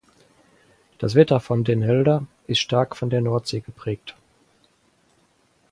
Das Wetter von Den Helder ist stark von der Nordsee geprägt.